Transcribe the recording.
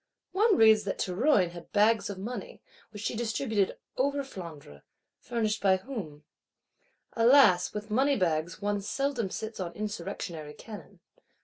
One reads that Théroigne had bags of money, which she distributed over Flandre:—furnished by whom? Alas, with money bags one seldom sits on insurrectionary cannon.